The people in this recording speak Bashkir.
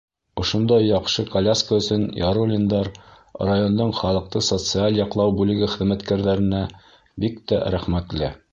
Ошондай яҡшы коляска өсөн Яруллиндар райондың халыҡты социаль яҡлау бүлеге хеҙмәткәрҙәренә бик тә рәхмәтле.